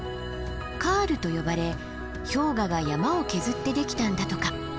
カールと呼ばれ氷河が山を削ってできたんだとか。